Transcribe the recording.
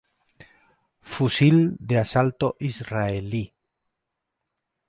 Fusil de asalto israelí.